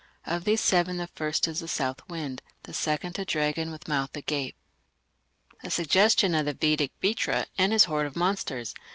Of these seven the first is the south wind, The second a dragon with mouth agape.... A suggestion of the Vedic Vritra and his horde of monsters.